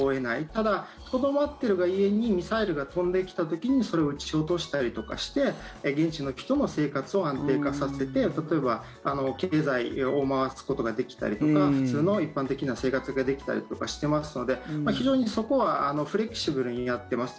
ただ、とどまっているが故にミサイルが飛んできた時にそれを撃ち落としたりとかして現地の人の生活を安定化させて例えば経済を回すことができたりとか普通の一般的な生活ができたりとかしてますので非常にそこはフレキシブルにやってます。